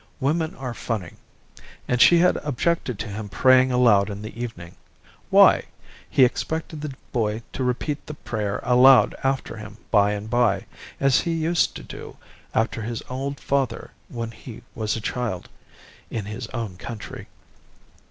Women are funny. And she had objected to him praying aloud in the evening. Why? He expected the boy to repeat the prayer aloud after him by and by, as he used to do after his old father when he was a child in his own country.